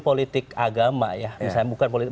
politik agama ya misalnya bukan politik